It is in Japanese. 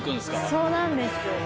そうなんです。